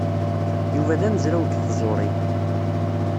Yuba d amezraw deg tẓuṛi.